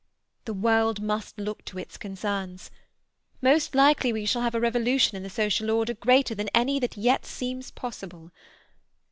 The world must look to its concerns. Most likely we shall have a revolution in the social order greater than any that yet seems possible.